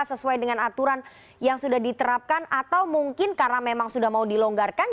sesuai dengan aturan yang sudah diterapkan atau mungkin karena memang sudah mau dilonggarkan